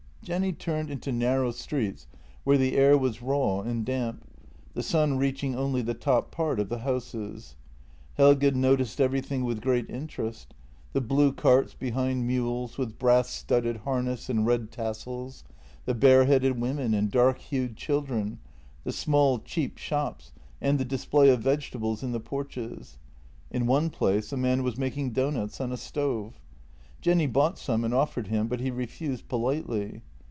Jenny turned into narrow streets where the air was raw and damp, the sun reaching only the top part of the houses. Helge noticed everything with great interest: the blue carts behind mules with brass studded harness and red tassels, the bareheaded women and dark hued children, the small, cheap shops and the display of vegetables in the porches. In one place a man was making doughnuts on a stove. Jenny bought some and offered him, but he refused politely.